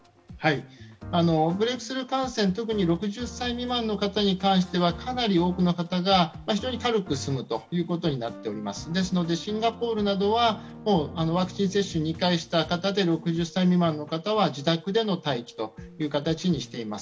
ブレークスルー感染特に６０歳未満の方に関してはかなり多くの方が非常に軽く済むことになっていますですのでシンガポールなどではワクチン接種２回した方で６０歳未満の方は自宅での待機という形にしています